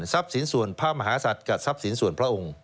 สินส่วนพระมหาศัตริย์กับทรัพย์สินส่วนพระองค์